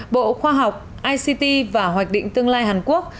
bộ khoa học ict và hoạch định tương lai hàn quốc